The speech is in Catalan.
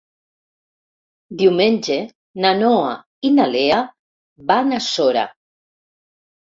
Diumenge na Noa i na Lea van a Sora.